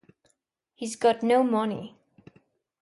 He’s got no money.